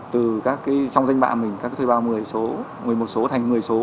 từ các cái trong danh bạc mình các cái thuê bao người số người một số thành người số